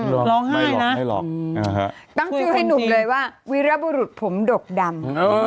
ร้องไห้ไม่หรอกไม่หรอกตั้งชื่อให้หนุ่มเลยว่าวิรบุรุษผมดกดำ